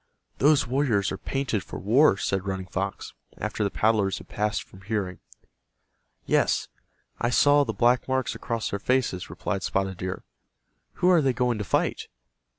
"Those warriors are painted for war," said Running Fox, after the paddlers had passed from hearing. "Yes, I saw the black marks across their faces," replied Spotted Deer. "Who are they going to fight?"